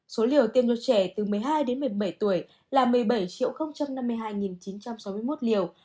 số liều tiêm cho trẻ từ một mươi hai đến một mươi bảy tuổi là một mươi bảy năm mươi hai chín trăm sáu mươi một liều